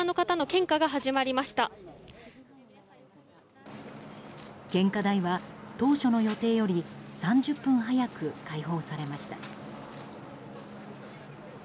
献花台は、当初の予定より３０分早く開放されました。